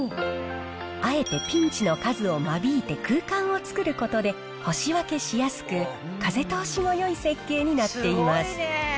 あえてピンチの数を間引いて空間を作ることで、干し分けしやすく、風通しもよい設計になっています。